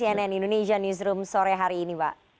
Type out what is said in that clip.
sampai jumpa di cnn indonesia newsroom sore hari ini pak